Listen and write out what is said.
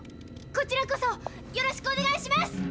ここちらこそよろしくお願いします！